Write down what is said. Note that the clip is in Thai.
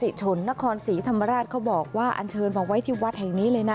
ชนนครศรีธรรมราชเขาบอกว่าอันเชิญมาไว้ที่วัดแห่งนี้เลยนะ